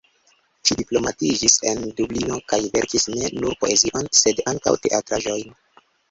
Ŝi diplomitiĝis en Dublino, kaj verkis ne nur poezion, sed ankaŭ teatraĵojn.